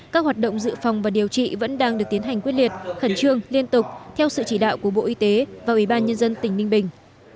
các hoạt động dự phòng và điều trị vẫn đang được tiến hành quyết liệt khẩn trương liên tục theo sự chỉ đạo của bộ y tế và ủy ban nhân dân tỉnh ninh bình